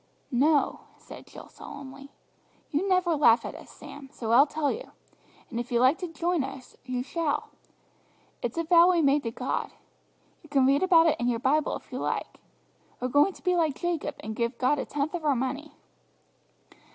"No," said Jill solemnly; "you never laugh at us, Sam, so I'll tell you; and if you like to join us you shall. It's a vow we've made to God. You can read about it in your Bible if you like. We're going to be like Jacob, and give God a tenth of our money."